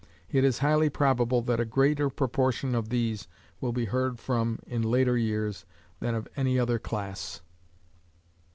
It is highly probable that a greater proportion of these will be heard from in later years than of any other class.